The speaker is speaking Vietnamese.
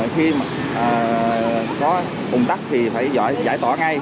nếu có bùng tắc thì phải giải tỏa ngay